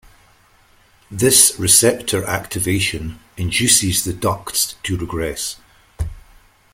This receptor activation induces the ducts to regress.